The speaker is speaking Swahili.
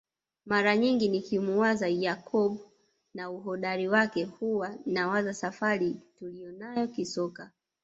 Mara nyingi nikimuwaza Yakub na uhodari wake huwa nawaza safari tuliyonayo kisoka